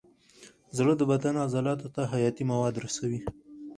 زړه د بدن عضلاتو ته حیاتي مواد رسوي.